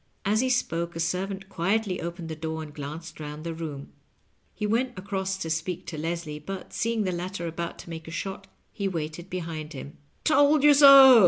As he spoke a servant quietly opened the door and glanced round the room. He went across to speak to Leslie, but, seeing the latter about to make a shot, he vira ited behind him. " Told you so